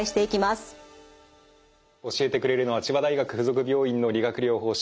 教えてくれるのは千葉大学附属病院の理学療法士